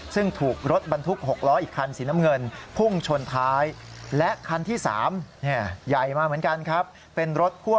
ซึ่งถูกรถบรรทุก๖ล้ออีกคันสีน้ำเงิน